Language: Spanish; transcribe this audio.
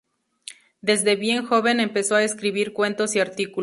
Desde bien joven empezó a escribir cuentos y artículos.